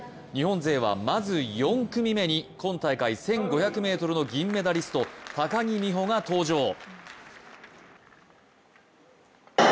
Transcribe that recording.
日本勢はまず、４組目に今大会１５００ｍの銀メダリスト高木美帆が登場。